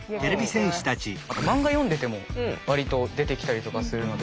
あと漫画読んでても割と出てきたりとかするので。